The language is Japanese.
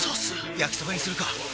焼きそばにするか！